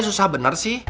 susah bener sih